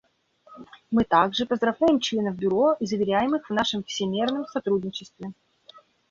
Мы также поздравляем членов Бюро и заверяем их в нашем всемерном сотрудничестве.